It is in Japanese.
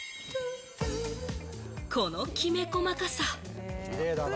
このきめ細かさ！